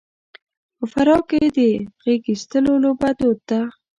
په فراه کې د غېږاېستلو لوبه دود ده.